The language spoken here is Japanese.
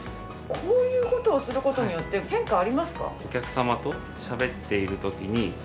こういう事をする事によって変化はありますか？